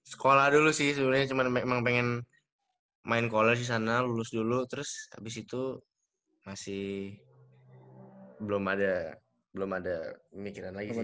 sekolah dulu sih sebenernya cuma emang pengen main college di sana lulus dulu terus abis itu masuk